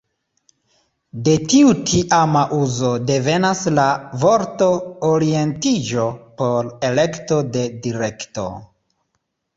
De tiu tiama uzo devenas la vorto ""orientiĝo"" por ""elekto de direkto"".